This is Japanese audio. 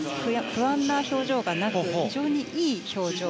不安な表情がなく非常にいい表情。